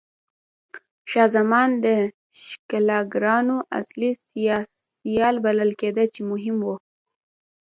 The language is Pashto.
شاه زمان د ښکېلاګرانو اصلي سیال بلل کېده چې مهم و.